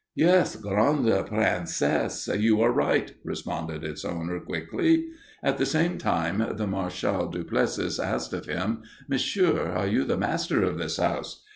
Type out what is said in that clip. "Yes, grande Princess, you are right," responded its owner, quickly. At the same time the Marshal Duplessis asked of him, "Monsieur, are you the master of this house?"